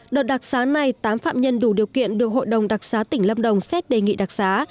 đợt đặc sáng này tám phạm nhân đủ điều kiện được hội đồng đặc xá tỉnh lâm đồng xét đề nghị đặc xá